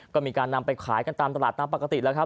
ก็มีการนำไปขายกันตามตลาดตามปกติแล้วครับ